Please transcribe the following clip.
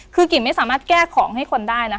คือกิ่งไม่สามารถแก้ของให้คนได้นะ